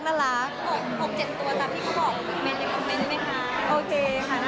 ๖๗ตัวท่านพี่เขาขอบคุณเขาค่ะ